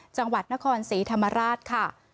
จังหวัดนครศรีธรรมราชค่ะ